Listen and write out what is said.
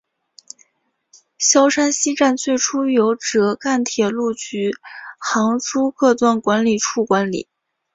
萧山西站最初由浙赣铁路局杭诸段管理处管理。